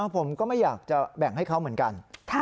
ผมก็ไม่อยากจะแบ่งให้เขาเหมือนกัน